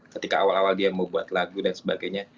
ketika awal awal dia mau buat lagu dan sebagainya